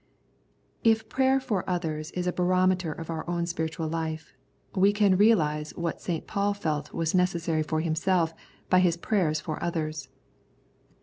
If prayer for others is a barometer of our own spiritual life, we can realise what St. Paul felt was necessary for himself by his prayers for others.